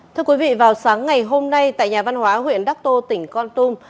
thưa quý vị vào sáng ngày hôm nay tại nhà văn hóa huyện đắc tô tỉnh con tum